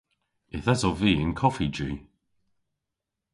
Yth esov vy y'n koffiji.